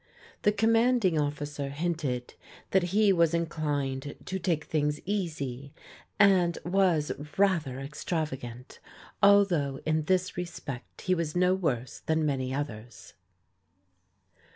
The Com manding Officer hinted that he was inclined to take things easy, and was rather extravagant, although in this respect he was no worse than many others.